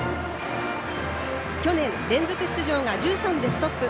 去年、連続出場が１３でストップ。